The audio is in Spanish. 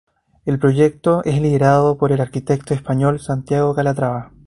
El proyecto es liderado por el arquitecto español Santiago Calatrava.